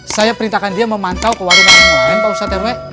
saya perintahkan dia memantau ke warung lain warung lain pak ustadz rw